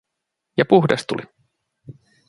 Ja puhdas tuli.